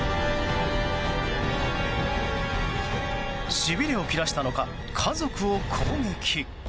しびれを切らしたのか家族を攻撃。